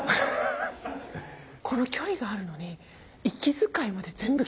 この距離があるのに息遣いまで全部聞こえる。